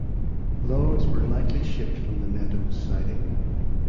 Logs were likely shipped from the Meadows siding.